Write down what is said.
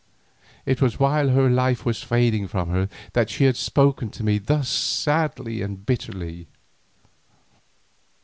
It was while her life was fading from her that she had spoken to me thus sadly and bitterly.